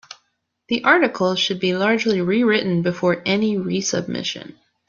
The article should be largely rewritten before any resubmission.